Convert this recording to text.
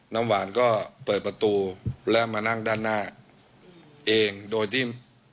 น้ำหวานก็เปิดประตูแล้วมานั่งด้านหน้าเองโดยที่